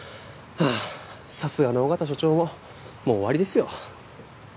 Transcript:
はぁさすがの緒方署長ももう終わりですよ。